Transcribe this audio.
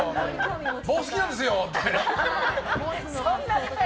棒、好きなんですよって。